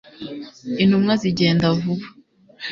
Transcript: Intumwa zigenda vuba